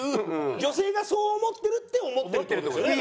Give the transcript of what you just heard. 「女性がそう思ってる」って思ってるって事ですよね？